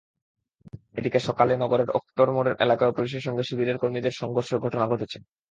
এদিকে সকালে নগরের অক্টোর মোড় এলাকায়ও পুলিশের সঙ্গে শিবিরের কর্মীদের সংঘর্ষের ঘটনা ঘটেছে।